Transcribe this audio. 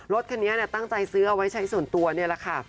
รถคันนี้ตั้งใจซื้อเอาไว้ใช้ส่วนตัวนี่แหละค่ะ